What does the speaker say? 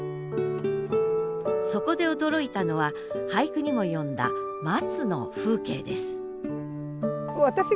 そこで驚いたのは俳句にも詠んだ「松」の風景です